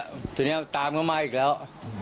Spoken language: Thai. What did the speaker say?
เดี๋ยวเนี้ยตามก็มาอีกแล้ว